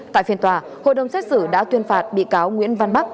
tại phiên tòa hội đồng xét xử đã tuyên phạt bị cáo nguyễn văn bắc một mươi năm tháng tủ giam